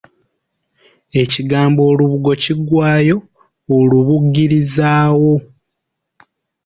Ekigambo olubugo kiggwaayo Olubugirizaawo.